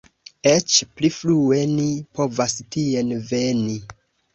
Eĉ pli frue ni povas tien veni!